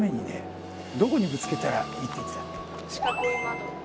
四角い窓。